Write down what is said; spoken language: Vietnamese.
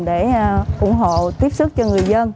để ủng hộ tiếp xúc cho người dân